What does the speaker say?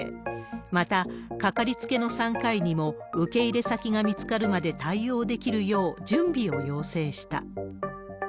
また、掛かりつけの産科医にも受け入れ先が見つかるまで対応できるよう、準備を要請した。